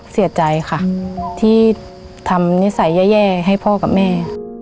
เสียใจค่ะที่ทำนิสัยแย่ให้พ่อกับแม่